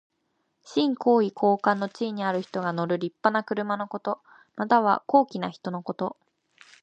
身高位高官の地位にある人が乗るりっぱな車のこと。または、高貴な人のこと。